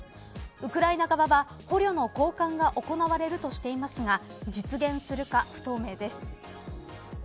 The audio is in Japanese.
ウクライナ側は捕虜の交換が行われるとしていますが実現するかは不透明です。